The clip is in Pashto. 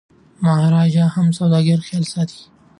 مهاراجا هم د سوداګرو خیال ساتي.